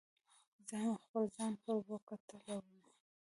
چې زه هم خپل ځان پر وکتلوم.